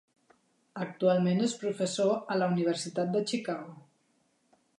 Actualment és professor a la Universitat de Chicago.